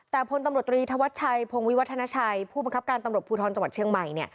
แต่พลตำรวจตรีธวัชชัยพงวิวัฒนาชัยผู้บังคับการตำรวจภูทรจังหวัดเชียงใหม่